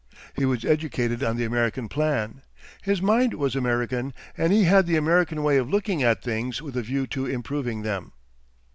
He was educated on the American plan. His mind was American, and he had the American way of looking at things with a view to improving them.